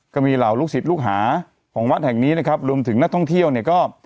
ก็มีเหล่าลูกศิษย์ลูกหาของวัดแห่งนี้นะครับรวมถึงนักท่องเที่ยวเนี่ยก็